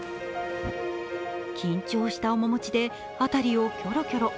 緊張した面持ちで辺りをキョロキョロ。